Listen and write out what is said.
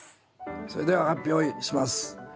それでは発表します。